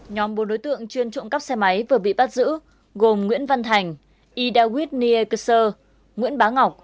nhóm bốn đối tượng chuyên trộn cắp xe máy vừa bị bắt giữ gồm nguyễn văn thành idawit niekeser nguyễn bá ngọc